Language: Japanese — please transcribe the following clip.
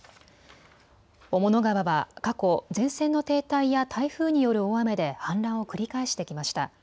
雄物川は過去、前線の停滞や台風による大雨で氾濫を繰り返してきました。